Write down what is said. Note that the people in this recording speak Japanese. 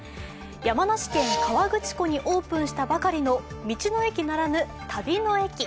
山梨県・河口湖にオープンしたばかりの道の駅ならぬ、旅の駅。